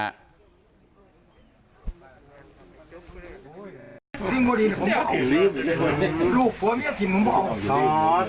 โอ้ยซิงบ่ดินผมไม่เข็ดลิฟท์เลยเลยลูกพ่อมีอาศิลป์ผมบ่อย